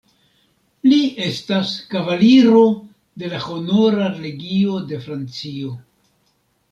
Li estas kavaliro de la Honora Legio de Francio.